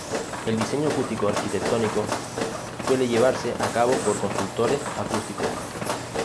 El diseño acústico arquitectónico suele llevarse a cabo por consultores acústicos.